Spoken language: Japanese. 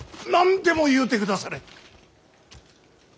何でも言うてくだされ。